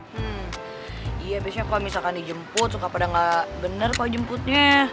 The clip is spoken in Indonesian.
hmm iya biasanya kalau misalkan dijemput suka pada enggak benar kalau dijemputnya